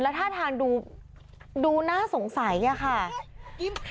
แล้วหน้าทางดูน่าสงสัยอย่างงี้ค่ะ